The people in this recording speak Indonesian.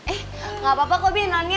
eh nggak apa apa kok biar nonnya